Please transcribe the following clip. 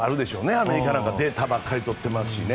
アメリカなんかデータばっか取ってますしね。